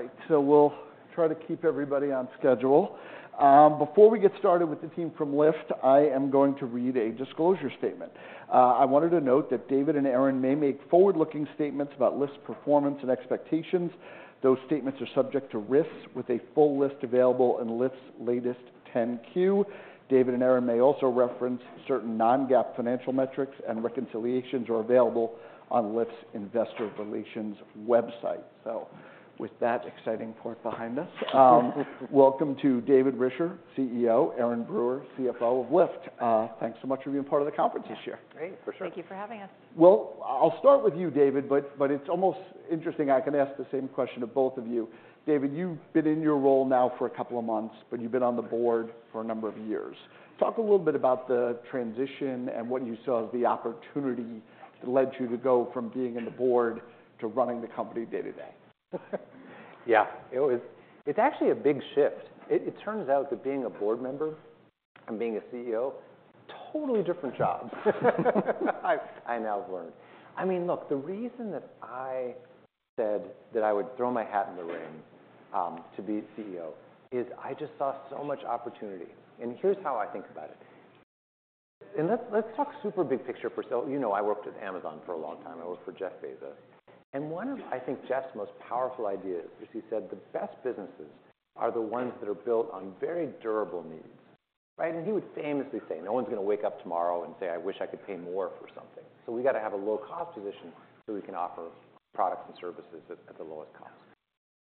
All right, so we'll try to keep everybody on schedule. Before we get started with the team from Lyft, I am going to read a disclosure statement. I wanted to note that David Risher and Erin Brewer may make forward-looking statements about Lyft's performance and expectations. Those statements are subject to risks, with a full list available in Lyft's latest 10-Q. David Risher and Erin Brewer may also reference certain non-GAAP financial metrics, and reconciliations are available on Lyft's Investor Relations website. So with that exciting part behind us, welcome David Risher, Erin Brewer, CFO of Lyft. Thanks so much for being part of the conference this year. Great. Thank you for having us. Well, I'll start with you, David Risher, but it's almost interesting, I can ask the same question to both of you. David Risher, you've been in your role now for a couple of months, but you've been on the board for a number of years. Talk a little bit about the transition and what you saw as the opportunity that led you to go from being on the board to running the company day-to-day. Yeah, it was. It's actually a big shift. It turns out that being a board member and being a CEO, totally different jobs. I now have learned. I mean, look, the reason that I said that I would throw my hat in the ring to be CEO is I just saw so much opportunity, and here's how I think about it. And let's talk super big picture first. So, you know, I worked at Amazon for a long time. I worked for Jeff Bezos. And one of, I think, Jeff Bezos' most powerful ideas is he said, "The best businesses are the ones that are built on very durable needs." Right? And he would famously say, "No one's gonna wake up tomorrow and say, 'I wish I could pay more for something.' So we got to have a low-cost position, so we can offer products and services at, at the lowest cost."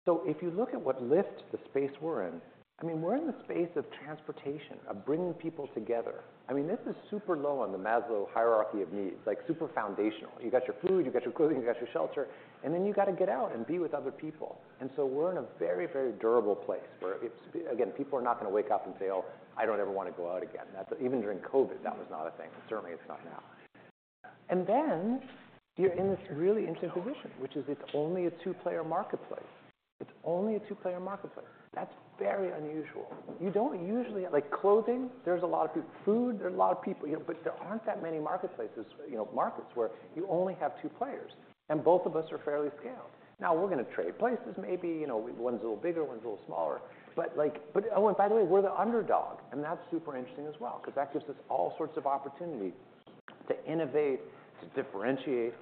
So if you look at what Lyft, the space we're in, I mean, we're in the space of transportation, of bringing people together. I mean, this is super low on the Maslow hierarchy of needs, like, super foundational. You've got your food, you've got your clothing, you've got your shelter, and then you've got to get out and be with other people. And so we're in a very durable place where it's... Again, people are not gonna wake up and say, "Oh, I don't ever want to go out again." That's - even during COVID, that was not a thing, and certainly it's not now. And then you're in this really interesting position, which is it's only a two-player marketplace. It's only a two-player marketplace. That's very unusual. You don't usually, like clothing, there's a lot of good food, there are a lot of people, you know? But there aren't that many marketplaces, you know, markets where you only have two players, and both of us are fairly scaled. Now, we're gonna trade places maybe, you know, one's a little bigger, one's a little smaller, but, oh, and by the way, we're the underdog, and that's super interesting as well, because that gives us all sorts of opportunity to innovate, to differentiate.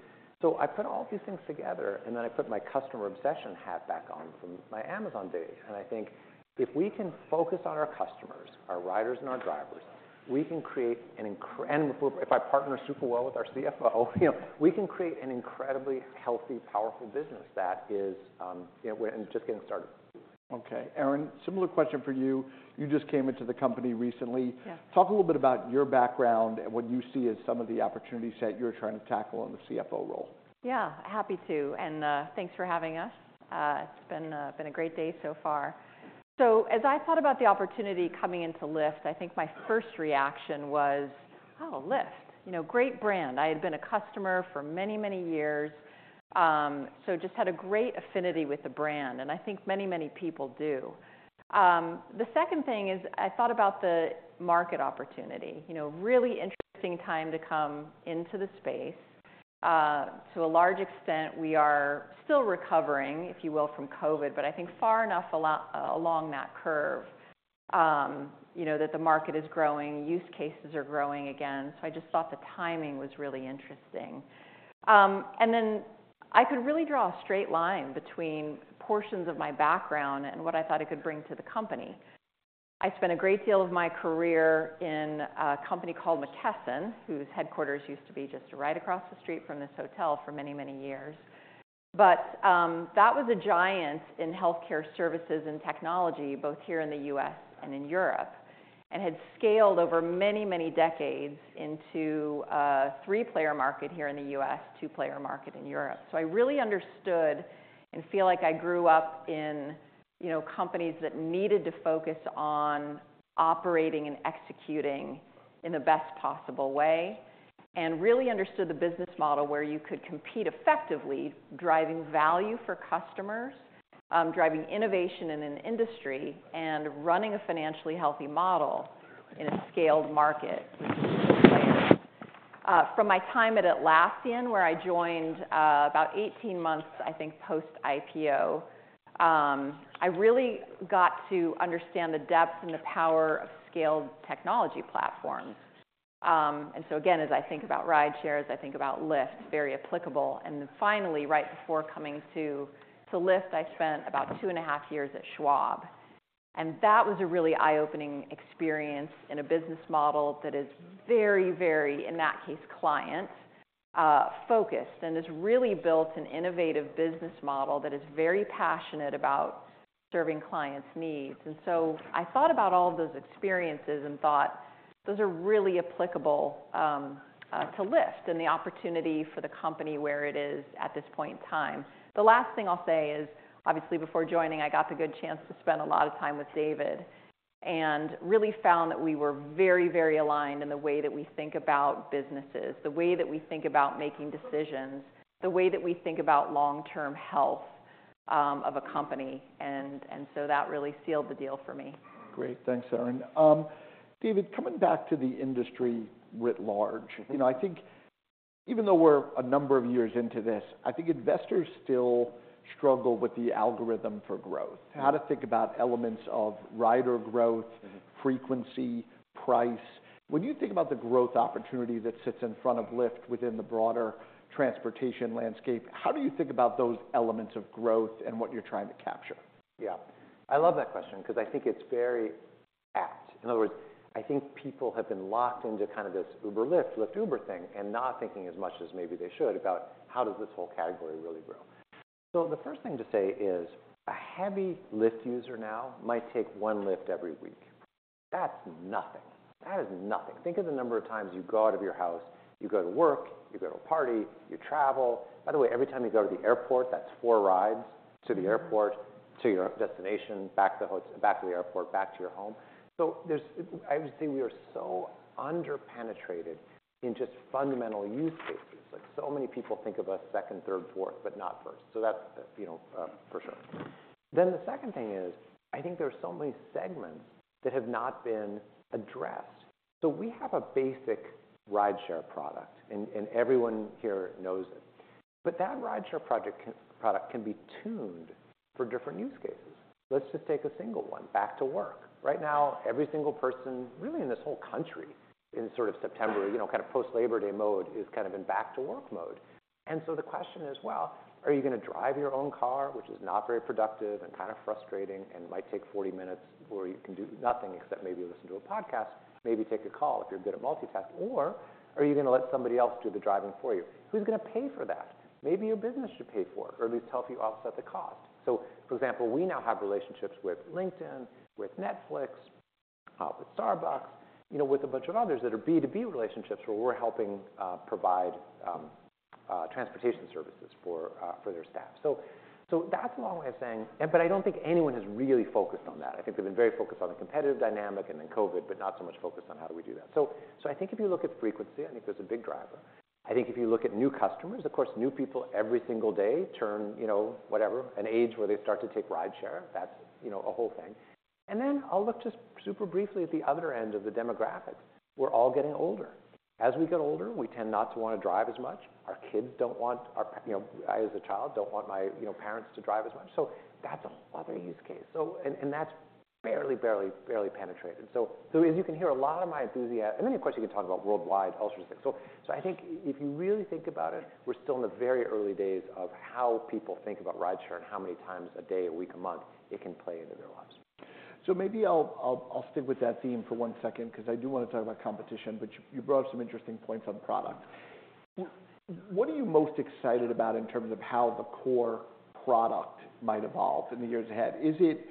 So I put all these things together, and then I put my customer obsession hat back on from my Amazon days. I think if we can focus on our customers, our riders and our drivers, we can create, and if I partner super well with our CFO, you know, we can create an incredibly healthy, powerful business that is, you know, we're just getting started. Okay. Erin Brewer, similar question for you. You just came into the company recently. Yeah. Talk a little bit about your background and what you see as some of the opportunities that you're trying to tackle in the CFO role? Yeah, happy to, and thanks for having us. It's been a great day so far. So as I thought about the opportunity coming into Lyft, I think my first reaction was, "Oh, Lyft," you know, great brand. I had been a customer for many, many years, so just had a great affinity with the brand, and I think many, many people do. The second thing is, I thought about the market opportunity. You know, really interesting time to come into the space. To a large extent, we are still recovering Erin Brewer, if you will, from COVID, but I think far enough along that curve, you know, that the market is growing, use cases are growing again. So I just thought the timing was really interesting. And then I could really draw a straight line between portions of my background and what I thought I could bring to the company. I spent a great deal of my career in a company called McKesson, whose headquarters used to be just right across the street from this hotel for many, many years. But that was a giant in healthcare services and technology, both here in the U.S. and in Europe, and had scaled over many, many decades into a three-player market here in the U.S., two-player market in Europe. So I really understood and feel like I grew up in, you know, companies that needed to focus on operating and executing in the best possible way. And really understood the business model, where you could compete effectively, driving value for customers, driving innovation in an industry, and running a financially healthy model in a scaled market. From my time at Atlassian, where I joined about 18 months, I think, post-IPO, I really got to understand the depth and the power of scaled technology platforms. And so again, as I think about rideshares, I think about Lyft, very applicable. And then finally, right before coming to Lyft, I spent about two and 1/2 years at Schwab, and that was a really eye-opening experience in a business model that is very, Very, in that case, client focused, and has really built an innovative business model that is very passionate about serving clients' needs. And so I thought about all of those experiences and thought, "Those are really applicable to Lyft and the opportunity for the company where it is at this point in time." The last thing I'll say is, obviously, before joining, I got the good chance to spend a lot of time with David Risher and really found that we were very aligned in the way that we think about businesses, the way that we think about making decisions, the way that we think about long-term health of a company. And so that really sealed the deal for me. Great. Thanks, Erin Brewer. David Risher, coming back to the industry writ large, you know, I think- Even though we're a number of years into this, I think investors still struggle with the algorithm for growth. Mm-hmm. How to think about elements of rider growth- Mm-hmm. frequency, price. When you think about the growth opportunity that sits in front of Lyft within the broader transportation landscape, how do you think about those elements of growth and what you're trying to capture? Yeah, I love that question because I think it's very apt. In other words, I think people have been locked into kind of this Uber-Lyft, Lyft-Uber thing, and not thinking as much as maybe they should about how does this whole category really grow. So the first thing to say is, a heavy Lyft user now might take one Lyft every week. That's nothing. That is nothing. Think of the number of times you go out of your house, you go to work, you go to a party, you travel. By the way, every time you go to the airport, that's four rides, to the airport- Mm-hmm. to your destination, back to the hotel, back to the airport, back to your home. So there's—I would say we are so under-penetrated in just fundamental use cases. Like, so many people think of us second, third, fourth, but not first. So that's, you know, for sure. Then the second thing is, I think there are so many segments that have not been addressed. So we have a basic rideshare product, and everyone here knows it. But that rideshare product can be tuned for different use cases. Let's just take a single one, back to work. Right now, every single person really in this whole country, in sort of September- Mm-hmm. You know, kind of post-Labor Day mode, is kind of in back-to-work mode. And so the question is, well, are you gonna drive your own car, which is not very productive and kind of frustrating and might take 40 minutes, where you can do nothing except maybe listen to a podcast, maybe take a call if you're good at multitasking? Or are you gonna let somebody else do the driving for you? Who's gonna pay for that? Maybe your business should pay for it, or at least help you offset the cost. So for example, we now have relationships with LinkedIn, with Netflix, with Starbucks, you know, with a bunch of others that are B2B relationships, where we're helping provide transportation services for their staff. So that's a long way of saying... But I don't think anyone has really focused on that. I think they've been very focused on the competitive dynamic and then COVID, but not so much focused on how do we do that. So I think if you look at frequency, I think there's a big driver. I think if you look at new customers, of course, new people every single day turn, you know, whatever, an age where they start to take rideshare. That's, you know, a whole thing. And then I'll look just super briefly at the other end of the demographics. We're all getting older. As we get older, we tend not to want to drive as much. I as a child, don't want my, you know, parents to drive as much. So that's a whole other use case. So and, and that's barely penetrated. So as you can hear, a lot of my enthusiasm, and then, of course, you can talk about worldwide ultra six. So I think if you really think about it, we're still in the very early days of how people think about rideshare and how many times a day, a week, a month, it can play into their lives. So maybe I'll stick with that theme for one second, cause I do wanna talk about competition, but you brought up some interesting points on product. What are you most excited about in terms of how the core product might evolve in the years ahead? Is it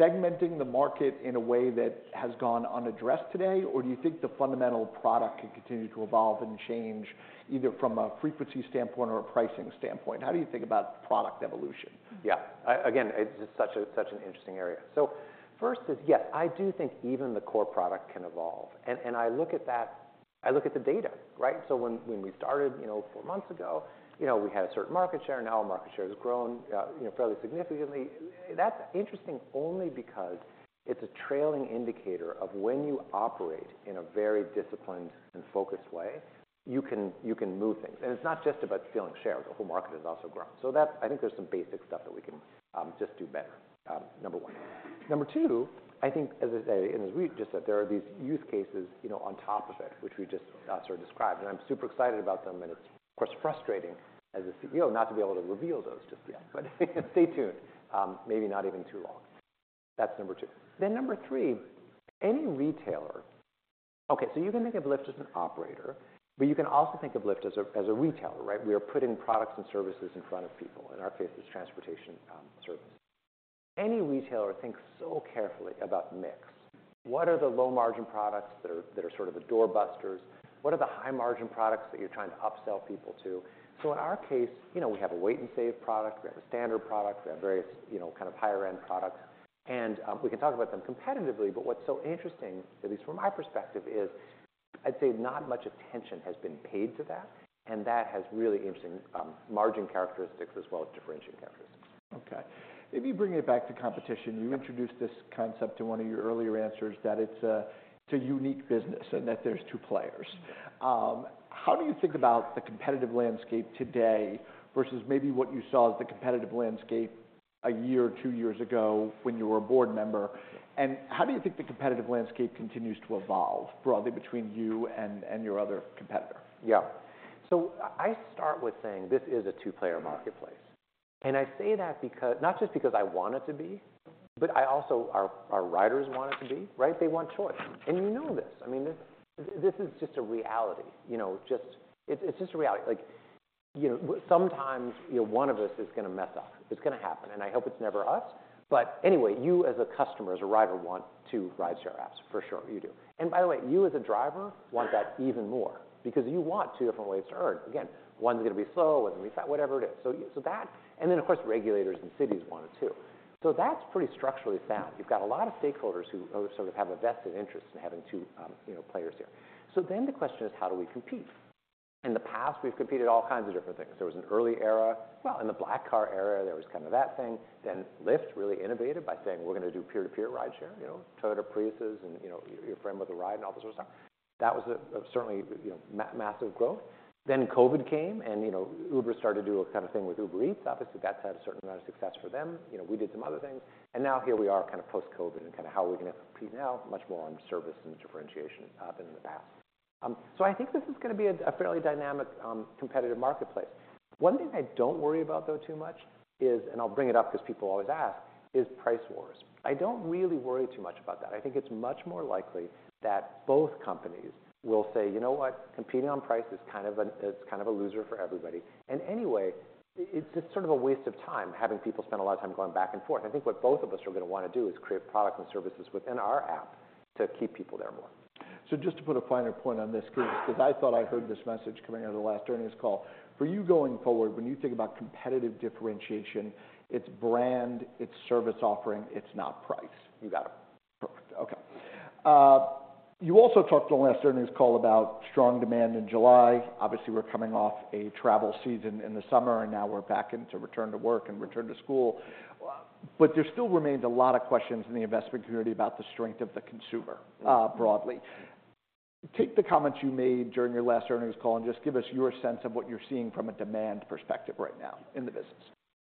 segmenting the market in a way that has gone unaddressed today, or do you think the fundamental product can continue to evolve and change, either from a frequency standpoint or a pricing standpoint? How do you think about product evolution? Yeah. Again, it's just such an interesting area. So first is, yes, I do think even the core product can evolve, and I look at the data, right? So when we started, you know, four months ago, you know, we had a certain market share, now our market share has grown, you know, fairly significantly. That's interesting only because it's a trailing indicator of when you operate in a very disciplined and focused way, you can move things. And it's not just about stealing shares, the whole market has also grown. So that's—I think there's some basic stuff that we can just do better, number one. Number two, I think, as I say, and as we just said, there are these use cases, you know, on top of it, which we just sort of described, and I'm super excited about them. And it's, of course, frustrating as a CEO not to be able to reveal those just yet, but stay tuned. Maybe not even too long. That's number two. Then number three, any retailer. Okay, so you can think of Lyft as an operator, but you can also think of Lyft as a retailer, right? We are putting products and services in front of people. In our case, it's transportation service. Any retailer thinks so carefully about mix. What are the low-margin products that are sort of the doorbusters? What are the high-margin products that you're trying to upsell people to? So in our case, you know, we have a Wait & Save product, we have a standard product, we have various, you know, kind of higher-end products. And, we can talk about them competitively, but what's so interesting, at least from my perspective, is I'd say not much attention has been paid to that, and that has really interesting, margin characteristics as well as differentiating characteristics. Okay. Maybe bringing it back to competition- Yeah. You introduced this concept in one of your earlier answers, that it's a, it's a unique business and that there's two players. How do you think about the competitive landscape today versus maybe what you saw as the competitive landscape a year or two years ago when you were a board member? And how do you think the competitive landscape continues to evolve broadly between you and, and your other competitor? Yeah. So I start with saying this is a two-player marketplace. And I say that because, not just because I want it to be, but I also, our riders want it to be, right? They want choice. And you know this. I mean, this, this is just a reality. You know, just, it's, it's just a reality. Like, you know, sometimes, you know, one of us is gonna mess up. It's gonna happen, and I hope it's never us. But anyway, you as a customer, as a rider, want two rideshare apps, for sure you do. And by the way, you as a driver want that even more, because you want two different ways to earn. Again, one's gonna be slow, one's gonna be fast, whatever it is. So that, and then, of course, regulators and cities want it too. So that's pretty structurally sound. You've got a lot of stakeholders who sort of have a vested interest in having two, you know, players here. So then the question is: how do we compete? In the past, we've competed all kinds of different things. There was an early era. Well, in the black car era, there was kind of that thing. Then Lyft really innovated by saying, "We're gonna do peer-to-peer rideshare," you know, Toyota Priuses and, you know, your friend with a ride and all this sort of stuff. That was a, certainly, you know, massive growth. Then COVID came and, you know, Uber started to do a kind of thing with Uber Eats. Obviously, that's had a certain amount of success for them. You know, we did some other things, and now here we are, kind of post-COVID, and kind of how are we gonna compete now, much more on service and differentiation than in the past. So I think this is gonna be a fairly dynamic competitive marketplace. One thing I don't worry about, though, too much is, and I'll bring it up because people always ask, is price wars. I don't really worry too much about that. I think it's much more likely that both companies will say, "You know what? Competing on price is kind of a, it's kind of a loser for everybody. And anyway, it's just sort of a waste of time, having people spend a lot of time going back and forth. I think what both of us are gonna wanna do is create products and services within our app to keep people there more. Just to put a finer point on this, because I thought I heard this message coming out of the last earnings call. For you, going forward, when you think about competitive differentiation, it's brand, it's service offering, it's not price. You got it. Perfect. Okay. You also talked on the last earnings call about strong demand in July. Obviously, we're coming off a travel season in the summer, and now we're back into return to work and return to school. But there still remains a lot of questions in the investment community about the strength of the consumer, broadly. Take the comments you made during your last earnings call, and just give us your sense of what you're seeing from a demand perspective right now in the business.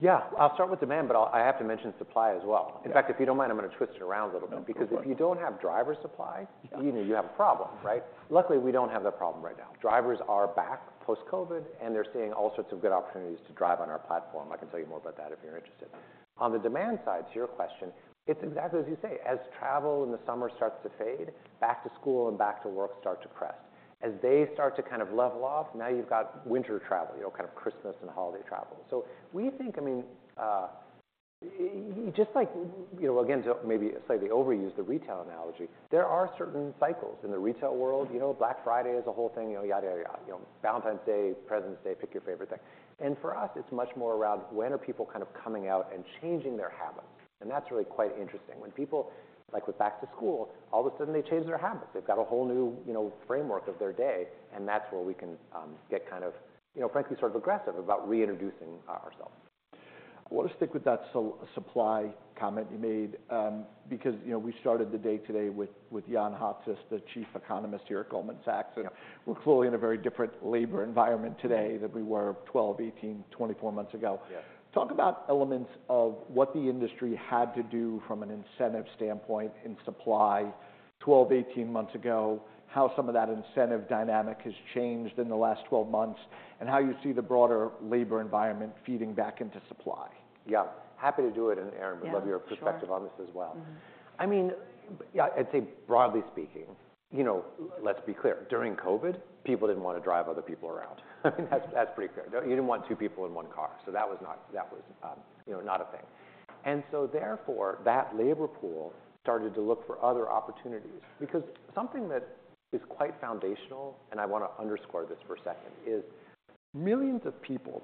Yeah. I'll start with demand, but I have to mention supply as well. Yeah. In fact, if you don't mind, I'm gonna twist it around a little bit. No, go for it. Because if you don't have driver supply- Yeah... you know, you have a problem, right? Luckily, we don't have that problem right now. Drivers are back post-COVID, and they're seeing all sorts of good opportunities to drive on our platform. I can tell you more about that if you're interested. On the demand side, to your question, it's exactly as you say. As travel in the summer starts to fade, back to school and back to work start to press. As they start to kind of level off, now you've got winter travel, you know, kind of Christmas and holiday travel. So we think, I mean, just like, you know, again, to maybe slightly overuse the retail analogy, there are certain cycles in the retail world. You know, Black Friday is a whole thing, you know, yada, yada, yada. You know, Valentine's Day, President's Day, pick your favorite thing. For us, it's much more around when are people kind of coming out and changing their habits? That's really quite interesting. When people, like with back to school, all of a sudden they change their habits. They've got a whole new, you know, framework of their day, and that's where we can get kind of, you know, frankly, sort of aggressive about reintroducing ourselves. I want to stick with that supply comment you made, because, you know, we started the day today with Jan Hatzius, the Chief Economist here at Goldman Sachs- Yeah... and we're clearly in a very different labor environment today than we were 12 months, 18 months, 24 months ago. Yeah. Talk about elements of what the industry had to do from an incentive standpoint in supply 12 months-18 months ago, how some of that incentive dynamic has changed in the last 12 months, and how you see the broader labor environment feeding back into supply. Yeah, happy to do it, and Erin Brewer- Yeah, sure. Would love your perspective on this as well. Mm-hmm. I mean, yeah, I'd say broadly speaking, you know, let's be clear. During COVID, people didn't want to drive other people around. That's pretty clear. You didn't want two people in one car, so that was not a thing. You know, and so therefore, that labor pool started to look for other opportunities. Because something that is quite foundational, and I wanna underscore this for a second, is millions of people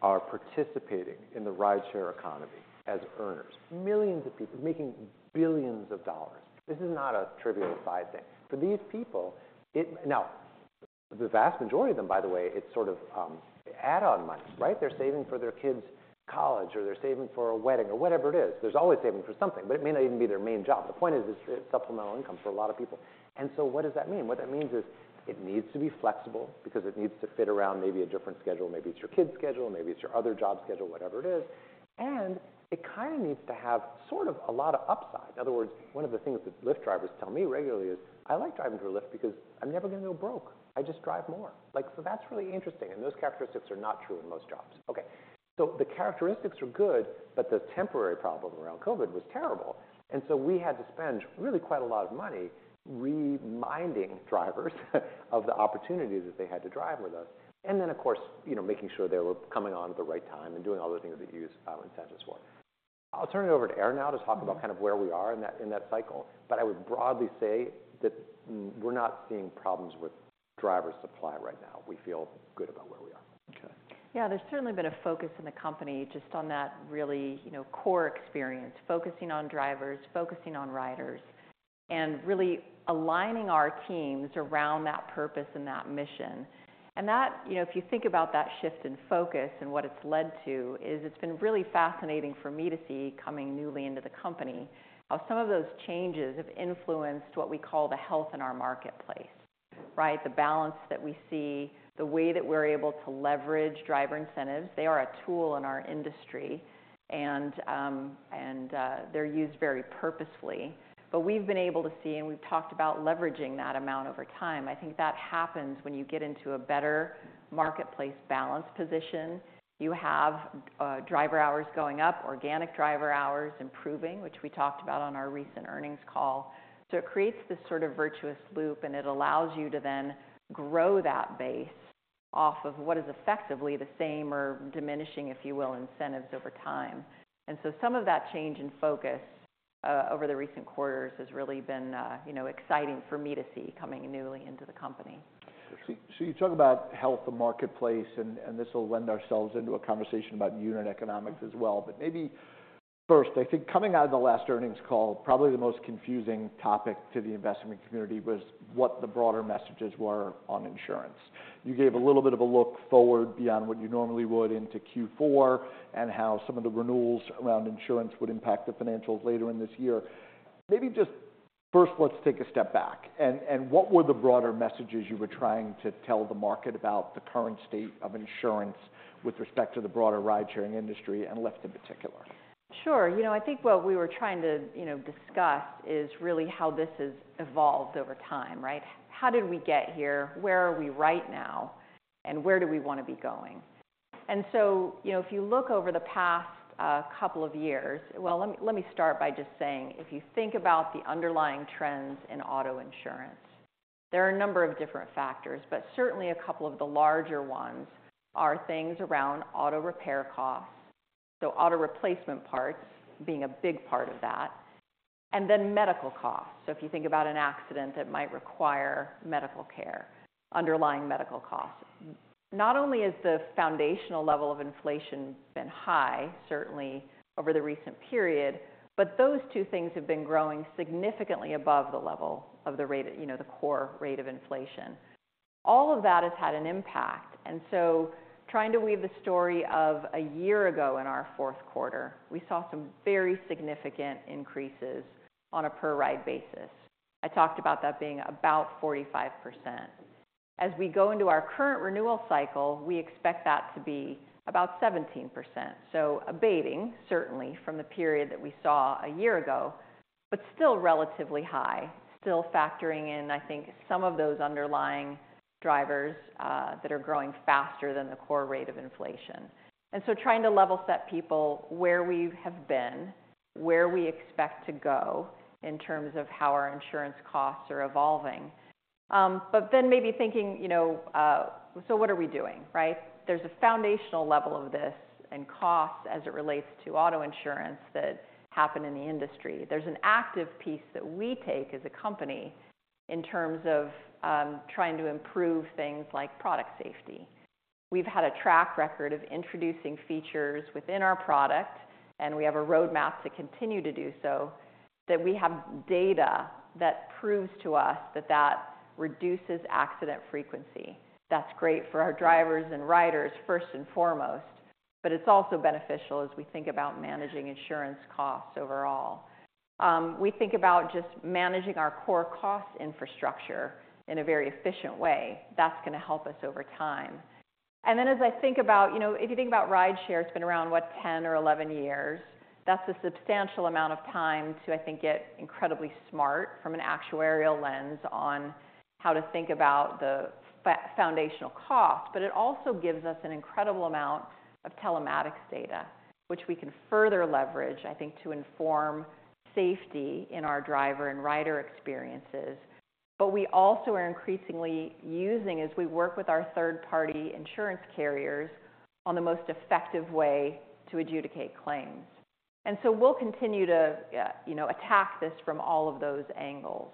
are participating in the rideshare economy as earners. Millions of people making billions of dollars. This is not a trivial side thing. For these people, it. Now, the vast majority of them, by the way, it's sort of add-on money, right? They're saving for their kids' college, or they're saving for a wedding or whatever it is. They're always saving for something, but it may not even be their main job. The point is, it's supplemental income for a lot of people. And so what does that mean? What that means is it needs to be flexible because it needs to fit around maybe a different schedule. Maybe it's your kids' schedule, maybe it's your other job schedule, whatever it is, and it kind of needs to have sort of a lot of upside. In other words, one of the things that Lyft drivers tell me regularly is, "I like driving for Lyft because I'm never gonna go broke. I just drive more." Like, so that's really interesting, and those characteristics are not true in most jobs. Okay, so the characteristics are good, but the temporary problem around COVID was terrible, and so we had to spend really quite a lot of money reminding drivers of the opportunity that they had to drive with us. And then, of course, you know, making sure they were coming on at the right time and doing all the things that you use incentives for. I'll turn it over to Erin Brewer now to talk about kind of where we are in that, in that cycle, but I would broadly say that we're not seeing problems with driver supply right now. We feel good about where we are. Okay. Yeah, there's certainly been a focus in the company just on that really, you know, core experience, focusing on drivers, focusing on riders, and really aligning our teams around that purpose and that mission. And that, you know, if you think about that shift in focus and what it's led to, is it's been really fascinating for me to see, coming newly into the company, how some of those changes have influenced what we call the health in our marketplace, right? The balance that we see, the way that we're able to leverage driver incentives. They are a tool in our industry, and they're used very purposefully. But we've been able to see, and we've talked about leveraging that amount over time. I think that happens when you get into a better marketplace balance position. You have, driver hours going up, organic driver hours improving, which we talked about on our recent earnings call. So it creates this sort of virtuous loop, and it allows you to then grow that base off of what is effectively the same or diminishing, if you will, incentives over time. And so some of that change in focus over the recent quarters has really been, you know, exciting for me to see coming newly into the company. So you talk about health, the marketplace, and this will lend ourselves into a conversation about unit economics as well. But maybe first, I think coming out of the last earnings call, probably the most confusing topic to the investment community was what the broader messages were on insurance. You gave a little bit of a look forward beyond what you normally would into Q4, and how some of the renewals around insurance would impact the financials later in this year. Maybe just first, let's take a step back, and what were the broader messages you were trying to tell the market about the current state of insurance with respect to the broader ride-sharing industry and Lyft in particular? Sure. You know, I think what we were trying to, you know, discuss is really how this has evolved over time, right? How did we get here? Where are we right now, and where do we want to be going? And so, you know, if you look over the past, couple of years, well let me, let me start by just saying, if you think about the underlying trends in auto insurance, there are a number of different factors, but certainly a couple of the larger ones are things around auto repair costs, so auto replacement parts being a big part of that, and then medical costs. So if you think about an accident that might require medical care, underlying medical costs. Not only has the foundational level of inflation been high, certainly over the recent period, but those two things have been growing significantly above the level of the rate, you know, the core rate of inflation. All of that has had an impact, and so trying to weave the story of a year ago in our Q4, we saw some very significant increases on a per-ride basis. I talked about that being about 45%. As we go into our current renewal cycle, we expect that to be about 17%. So abating, certainly, from the period that we saw a year ago, but still relatively high, still factoring in, I think, some of those underlying drivers, that are growing faster than the core rate of inflation. Trying to level set people where we have been, where we expect to go in terms of how our insurance costs are evolving. But then maybe thinking, you know, so what are we doing, right? There's a foundational level of this and costs as it relates to auto insurance that happen in the industry. There's an active piece that we take as a company in terms of, trying to improve things like product safety. We've had a track record of introducing features within our product, and we have a roadmap to continue to do so, that we have data that proves to us that that reduces accident frequency. That's great for our drivers and riders, first and foremost, but it's also beneficial as we think about managing insurance costs overall. We think about just managing our core cost infrastructure in a very efficient way. That's going to help us over` time. And then as I think about, you know, if you think about rideshare, it's been around, what, 10 years or 11 years? That's a substantial amount of time to, I think, get incredibly smart from an actuarial lens on how to think about the foundational cost. But it also gives us an incredible amount of telematics data, which we can further leverage, I think, to inform safety in our driver and rider experiences. But we also are increasingly using, as we work with our third-party insurance carriers, on the most effective way to adjudicate claims. And so we'll continue to, you know, attack this from all of those angles.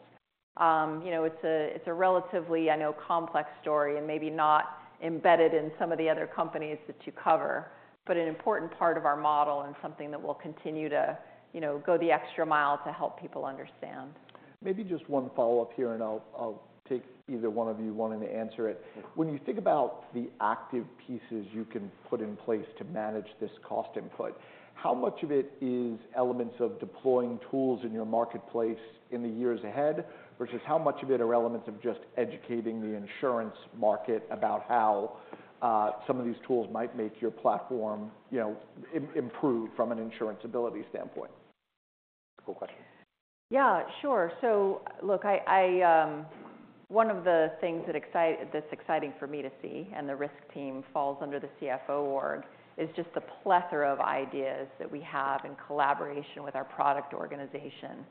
You know, it's a relatively, I know, complex story and maybe not embedded in some of the other companies that you cover, but an important part of our model and something that we'll continue to, you know, go the extra mile to help people understand. Maybe just one follow-up here, and I'll take either one of you wanting to answer it. When you think about the active pieces you can put in place to manage this cost input, how much of it is elements of deploying tools in your marketplace in the years ahead, versus how much of it are elements of just educating the insurance market about how some of these tools might make your platform, you know, improved from an insurability standpoint? Cool question. Yeah, sure. So look, one of the things that excite- that's exciting for me to see, and the risk team falls under the CFO org, is just the plethora of ideas that we have in collaboration with our product organization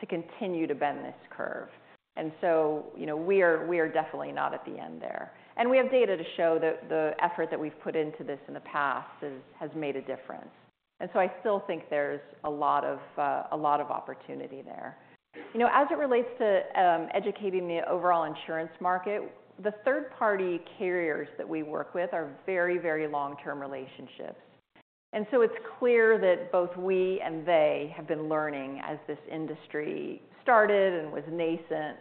to continue to bend this curve. And so, you know, we are definitely not at the end there. And we have data to show that the effort that we've put into this in the past has made a difference. And so I still think there's a lot of opportunity there. You know, as it relates to educating the overall insurance market, the third-party carriers that we work with are very long-term relationships. And so it's clear that both we and they have been learning as this industry started and was nascent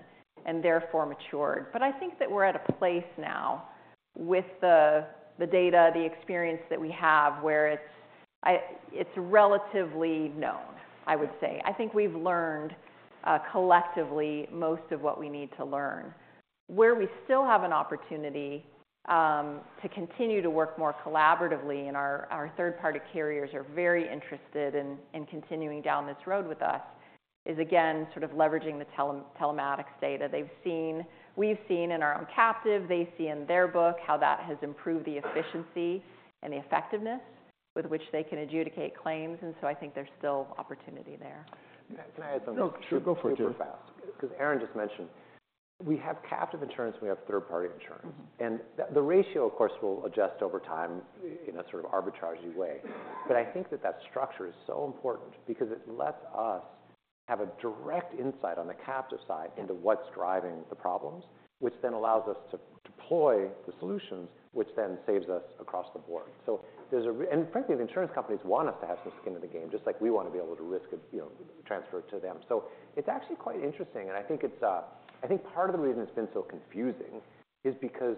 and therefore matured. But I think that we're at a place now with the data, the experience that we have, where it's relatively known, I would say. I think we've learned collectively, most of what we need to learn. Where we still have an opportunity to continue to work more collaboratively, and our third-party carriers are very interested in continuing down this road with us, is again, sort of leveraging the telematics data. They've seen, we've seen in our own captive, they see in their book, how that has improved the efficiency and the effectiveness with which they can adjudicate claims, and so I think there's still opportunity there. Can I, can I add something? No, sure. Go for it. Super fast, because Erin Brewer just mentioned we have captive insurance, and we have third-party insurance. Mm-hmm. The ratio, of course, will adjust over time in a sort of arbitrary way. But I think that that structure is so important because it lets us have a direct insight on the captive side into what's driving the problems, which then allows us to deploy the solutions, which then saves us across the board. So there's a-- and frankly, the insurance companies want us to have some skin in the game, just like we want to be able to risk it, you know, transfer it to them. So it's actually quite interesting, and I think it's, I think part of the reason it's been so confusing is because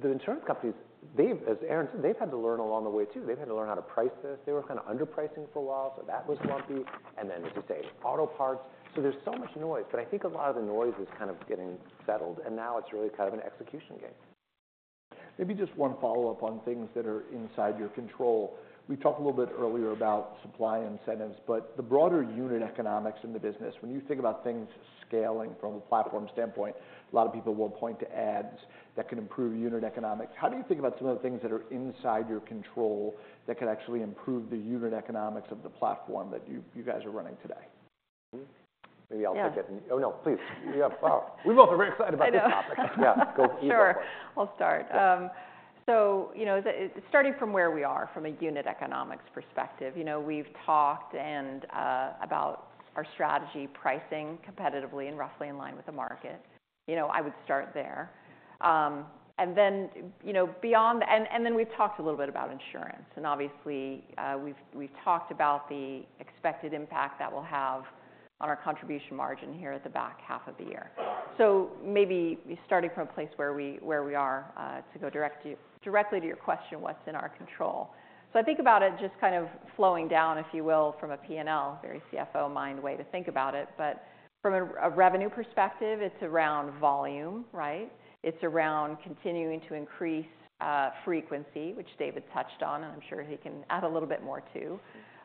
the insurance companies, they've, as Erin Brewer said, they've had to learn along the way, too. They've had to learn how to price this. They were kind of underpricing for a while, so that was bumpy. And then, as you say, auto parts. So there's so much noise, but I think a lot of the noise is kind of getting settled, and now it's really kind of an execution game. Maybe just one follow-up on things that are inside your control. We talked a little bit earlier about supply incentives, but the broader unit economics in the business, when you think about things scaling from a platform standpoint, a lot of people will point to ads that can improve unit economics. How do you think about some of the things that are inside your control that could actually improve the unit economics of the platform that you, you guys are running today? Mm-hmm. Maybe I'll take it- Yeah. Oh, no, please. Yeah, wow. We both are very excited about this topic. I know. Yeah, go, you go for it. Sure, I'll start. Yeah. So you know, starting from where we are, from a unit economics perspective, you know, we've talked about our strategy, pricing competitively and roughly in line with the market. You know, I would start there. And then, you know, beyond. And then we've talked a little bit about insurance, and obviously, we've talked about the expected impact that will have on our contribution margin here at the back half of the year. So maybe starting from a place where we are, to go directly to your question, what's in our control? So I think about it just kind of flowing down, if you will, from a P&L, very CFO-minded way to think about it. But from a revenue perspective, it's around volume, right? It's around continuing to increase frequency, which David Risher touched on, and I'm sure he can add a little bit more, too.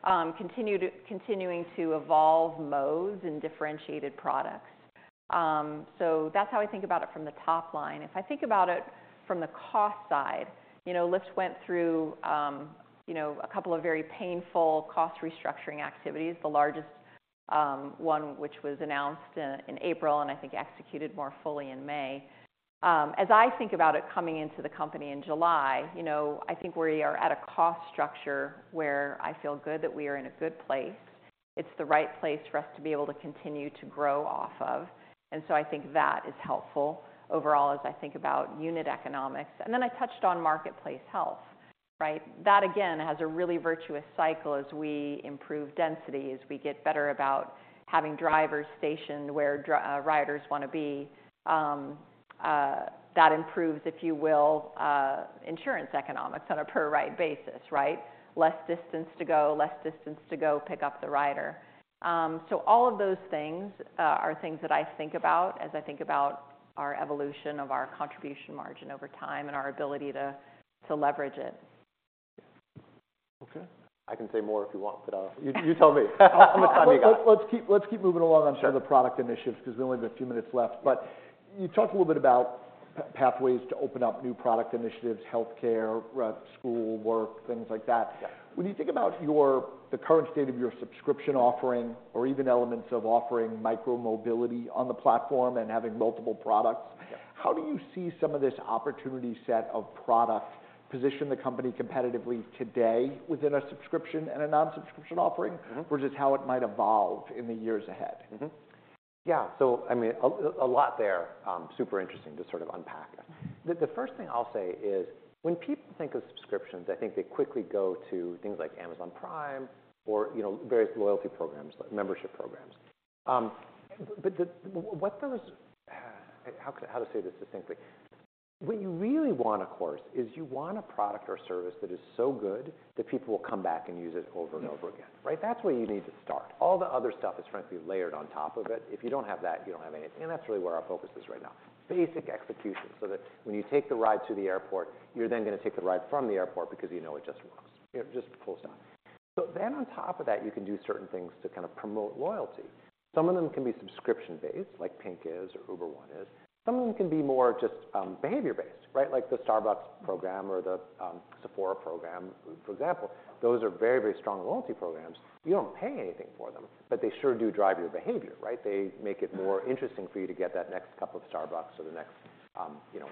Continuing to evolve modes and differentiated products. So that's how I think about it from the top line. If I think about it from the cost side, you know, Lyft went through, you know, a couple of very painful cost restructuring activities, the largest one which was announced in April, and I think executed more fully in May. As I think about it, coming into the company in July, you know, I think we are at a cost structure where I feel good that we are in a good place. It's the right place for us to be able to continue to grow off of, and so I think that is helpful overall as I think about unit economics. And then I touched on Marketplace Health, right? That, again, has a really virtuous cycle as we improve density, as we get better about having drivers stationed where riders want to be. That improves, if you will, insurance economics on a per-ride basis, right? Less distance to go, less distance to go pick up the rider. So all of those things are things that I think about as I think about our evolution of our Contribution Margin over time and our ability to leverage it. Okay. I can say more if you want, but you tell me- Let's- How much time you got? Let's keep moving along- Sure... on some of the product initiatives, because there's only a few minutes left. But you talked a little bit about pathways to open up new product initiatives, healthcare, school, work, things like that. Yeah. When you think about the current state of your subscription offering or even elements of offering micro mobility on the platform and having multiple products- Yeah... How do you see some of this opportunity set of products position the company competitively today within a subscription and a non-subscription offering- Mm-hmm... versus how it might evolve in the years ahead? Mm-hmm. Yeah, so I mean, a lot there, super interesting to sort of unpack. The first thing I'll say is when people think of subscriptions, I think they quickly go to things like Amazon Prime or, you know, various loyalty programs, like membership programs. But what those—how to say this distinctly? What you really want, of course, is you want a product or service that is so good that people will come back and use it over and over again. Right? That's where you need to start. All the other stuff is frankly layered on top of it. If you don't have that, you don't have anything, and that's really where our focus is right now. Basic execution, so that when you take the ride to the airport, you're then gonna take the ride from the airport because you know it just works. It just pulls down. So then on top of that, you can do certain things to kind of promote loyalty. Some of them can be subscription-based, like Pink is or Uber One is. Some of them can be more just, behavior-based, right? Like the Starbucks program or the, Sephora program, for example. Those are very strong loyalty programs. You don't pay anything for them, but they sure do drive your behavior, right? They make it more interesting for you to get that next cup of Starbucks or the next, you know,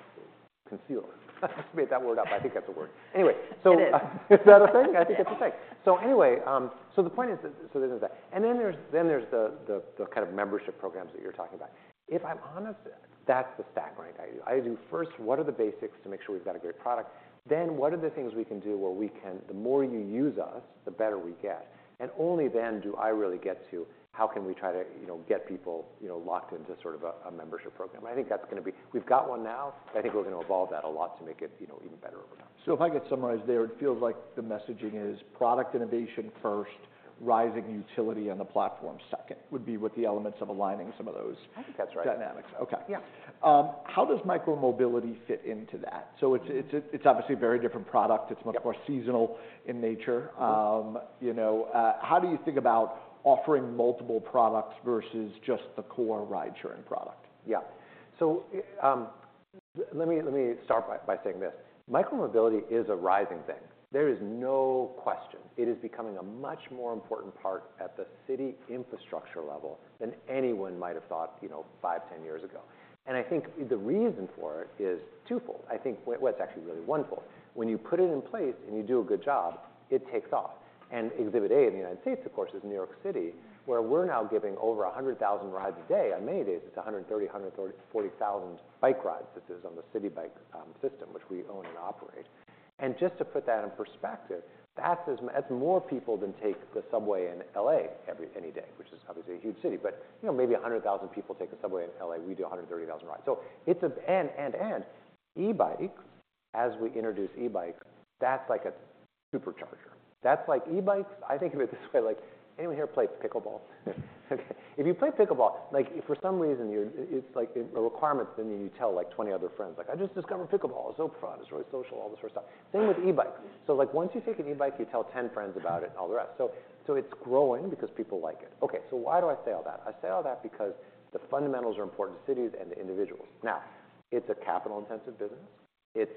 concealer. I made that word up, I think that's a word. Anyway, so- It is. Is that a thing? I think it's a thing. So anyway, so the point is that, so there's that. And then there's the kind of membership programs that you're talking about. If I'm honest, that's the stack rank I do. I do first, what are the basics to make sure we've got a great product? Then, what are the things we can do where we can, the more you use us, the better we get? And only then do I really get to, how can we try to, you know, get people, you know, locked into sort of a membership program? I think that's gonna be... We've got one now. I think we're going to evolve that a lot to make it, you know, even better over time. So if I could summarize there, it feels like the messaging is product innovation first, rising utility on the platform second, would be with the elements of aligning some of those- I think that's right.... dynamics. Okay. Yeah. How does Micro Mobility fit into that? Mm. So it's obviously a very different product. Yeah. It's much more seasonal in nature. Mm-hmm. You know, how do you think about offering multiple products versus just the core ridesharing product? Yeah. So, let me start by saying this: micromobility is a rising thing. There is no question. It is becoming a much more important part at the city infrastructure level than anyone might have thought, you know, five years, 10 years ago. And I think the reason for it is twofold. I think, well, it's actually really onefold. When you put it in place, and you do a good job, it takes off. And Exhibit A in the United States, of course, is New York City, where we're now giving over 100,000 rides a day. On many days, it's 130,000-140,000 bike rides. This is on the Citi Bike system, which we own and operate. Just to put that in perspective, that's more people than take the subway in L.A. every day, which is obviously a huge city. But, you know, maybe 100,000 people take the subway in L.A., we do 130,000 rides. So it's and e-bikes, as we introduce e-bikes, that's like a supercharger. That's like e-bikes. I think of it this way, like, anyone here play pickleball? Okay, if you play pickleball, like, if for some reason it's like a requirement, then you tell, like, 20 other friends. Like, "I just discovered pickleball. It's so fun, it's really social," all this sort of stuff. Same with e-bikes. So like, once you take an e-bike, you tell 10 friends about it and all the rest. So it's growing because people like it. Okay, so why do I say all that? I say all that because the fundamentals are important to cities and to individuals. Now, it's a capital-intensive business. It's,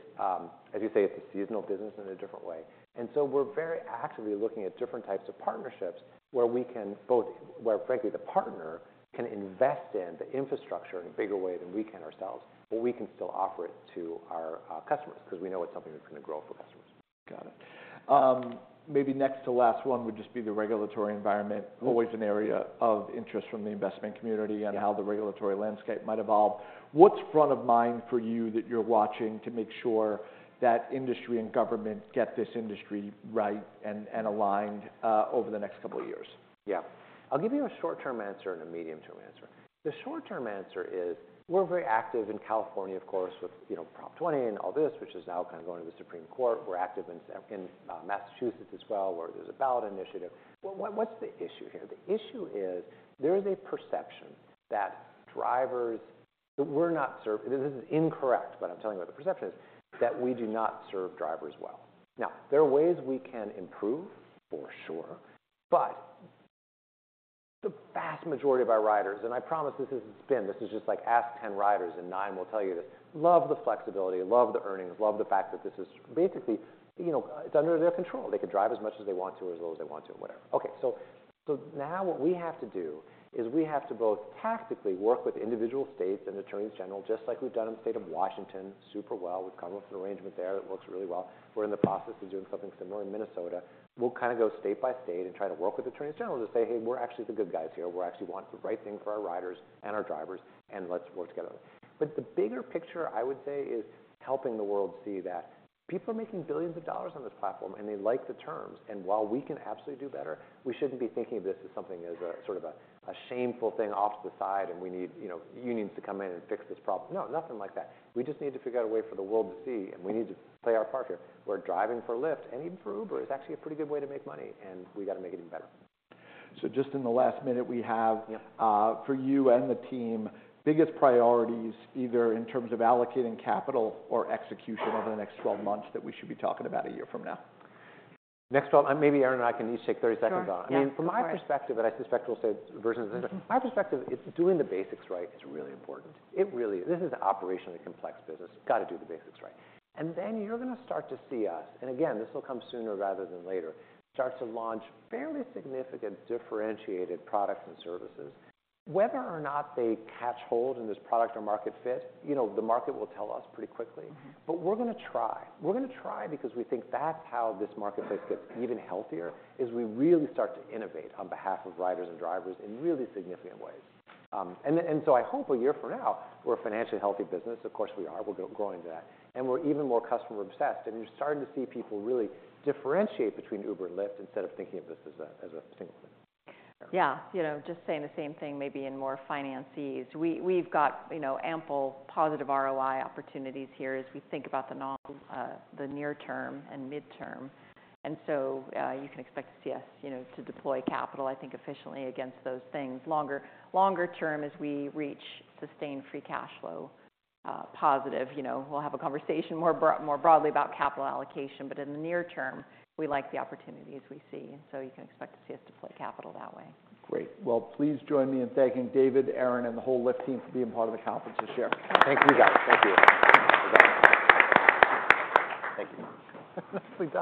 as you say, it's a seasonal business in a different way. And so we're very actively looking at different types of partnerships where we can both, where frankly, the partner can invest in the infrastructure in a bigger way than we can ourselves, but we can still offer it to our customers because we know it's something that's going to grow for customers. Got it. Maybe next to last one would just be the regulatory environment- Mm-hmm. always an area of interest from the investment community. Yeah. -and how the regulatory landscape might evolve. What's front of mind for you that you're watching to make sure that industry and government get this industry right and aligned over the next couple of years? Yeah. I'll give you a short-term answer and a medium-term answer. The short-term answer is we're very active in California, of course, with, you know, Prop 22 and all this, which is now kind of going to the Supreme Court. We're active in Massachusetts as well, where there's a ballot initiative. Well, what's the issue here? The issue is there is a perception that drivers... that we're not serving, this is incorrect, but I'm telling you what the perception is, that we do not serve drivers well. Now, there are ways we can improve, for sure, but the vast majority of our riders, and I promise this isn't spin, this is just like ask 10 riders, and nine riders will tell you this: love the flexibility, love the earnings, love the fact that this is basically, you know, it's under their control. They could drive as much as they want to or as little as they want to, whatever. Okay, so, so now what we have to do is we have to both tactically work with individual states and attorneys general, just like we've done in the state of Washington, super well. We've come up with an arrangement there that works really well. We're in the process of doing something similar in Minnesota. We'll kind of go state by state and try to work with attorneys general to say, "Hey, we're actually the good guys here. We actually want the right thing for our riders and our drivers, and let's work together." But the bigger picture, I would say, is helping the world see that people are making $ billions on this platform, and they like the terms. While we can absolutely do better, we shouldn't be thinking of this as sort of a shameful thing off to the side, and we need, you know, unions to come in and fix this problem. No, nothing like that. We just need to figure out a way for the world to see, and we need to play our part here, where driving for Lyft and even for Uber is actually a pretty good way to make money, and we got to make it even better. So just in the last minute we have- Yeah... for you and the team, biggest priorities, either in terms of allocating capital or execution over the next 12 months, that we should be talking about a year from now. Next 12, and maybe Erin Brewer and I can each take 30 seconds on it. Sure. Yeah, go for it. I mean, from my perspective, and I suspect we'll say versions of this, from my perspective, it's doing the basics right is really important. It really is. This is an operationally complex business. Got to do the basics right. And then you're going to start to see us, and again, this will come sooner rather than later, start to launch fairly significant differentiated products and services. Whether or not they catch hold in this product or market fit, you know, the market will tell us pretty quickly. Mm-hmm. But we're going to try. We're going to try because we think that's how this market fit gets even healthier, is we really start to innovate on behalf of riders and drivers in really significant ways. And then, and so I hope a year from now, we're a financially healthy business. Of course, we are. We're growing to that, and we're even more customer-obsessed, and you're starting to see people really differentiate between Uber and Lyft instead of thinking of this as a, as a single thing. Yeah you know, just saying the same thing, maybe in more finances. We, we've got, you know, ample positive ROI opportunities here as we think about the long, the near-term and mid-term. And so, you can expect to see us, you know, to deploy capital, I think, efficiently against those things. Longer-term, as we reach sustained free cash flow positive, you know, we'll have a conversation more broadly about capital allocation. But in the near-term, we like the opportunities we see, and so you can expect to see us deploy capital that way. Great. Well, please join me in thanking David Risher, Erin Brewer, and the whole Lyft team for being part of the conference this year. Thank you, guys. Thank you. Thank you. Nicely done.